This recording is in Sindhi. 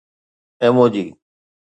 ايموجي